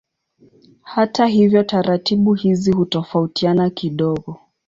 Hata hivyo taratibu hizi hutofautiana kidogo.